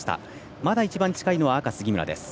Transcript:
まだ一番近いのは赤の杉村です。